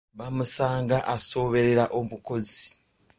Bamusanga asooberera omukozi.